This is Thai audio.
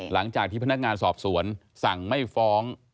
หลังจากที่พนักงานสอบสวนสั่งไม่ฟ้อง